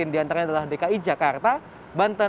di antaranya adalah dki jakarta banten